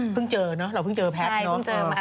เจอเนอะเราเพิ่งเจอแพทย์เนอะ